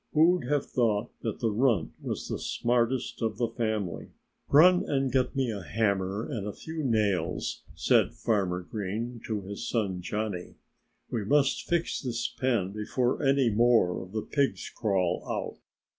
Who'd have thought that the runt was the smartest of the family? "Run and get me a hammer and a few nails," said Farmer Green to his son Johnnie. "We must fix this pen before any more of the pigs crawl out."